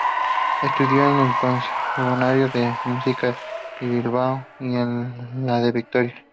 Estudió en el Conservatorio de música de Bilbao y en el de Vitoria.